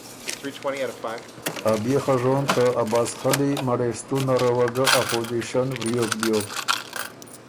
ا بيې خه ژون ته عباس خلی مړېستُون نره وه ګۀ ا پوزیشن وریوک بیوک